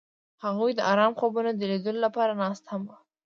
هغوی د آرام خوبونو د لیدلو لپاره ناست هم وو.